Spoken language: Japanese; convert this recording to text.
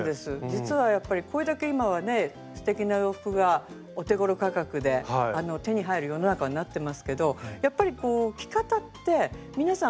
実はやっぱりこれだけ今はねすてきな洋服がお手ごろ価格で手に入る世の中になってますけどやっぱりこう着方って皆さん